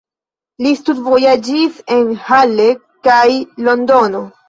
Li studvojaĝis en Halle kaj Londono.